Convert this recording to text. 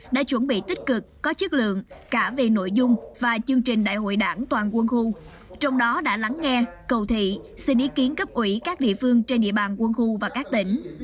đã chuẩn bị tích cực có chất lượng cả về nội dung và chương trình đại hội đảng toàn quân khu trong đó đã lắng nghe cầu thị xin ý kiến cấp ủy các địa phương trên địa bàn quân khu và các tỉnh